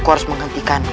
aku harus menghentikannya